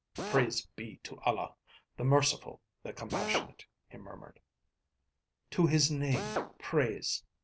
"Praise be to Allah, the Merciful, the Compassionate," he murmured. "To his name praise!"